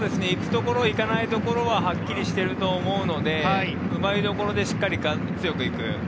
行くところ、行かないところははっきりしてると思うので、奪いどころでしっかり強く行く。